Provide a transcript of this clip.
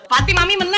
pati mami menang ya